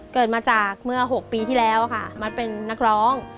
เกิดมาจากเมื่อ๖ปีที่แล้วค่ะมัดเป็นนักร้อง